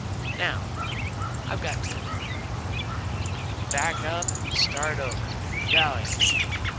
Now, I've got to back up and start over. Golly!